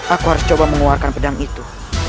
aku harus coba mengeluarkan pedang itu